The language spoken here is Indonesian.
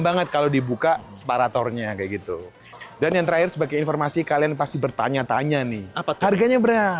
banget kalau dibuka separatornya kayak gitu dan yang terakhir sebagai informasi kalian pasti bertanya tanya nih apa harganya berapa